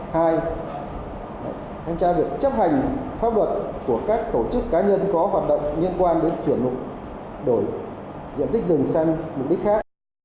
hai thanh tra việc chấp hành pháp luật của các tổ chức cá nhân có hoạt động liên quan đến chuyển mục đổi diện tích rừng sang mục đích khác